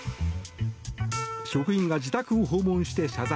職員が自宅を訪問して謝罪。